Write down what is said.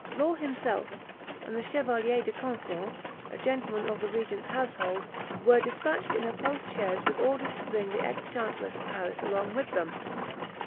Law himself, and the Chevalier de Conflans, a gentleman of the regent's household, were despatched in a post chaise with orders to bring the ex chancellor to Paris along with them.